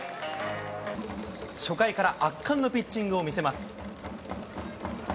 初回から圧巻のピッチングを見せます。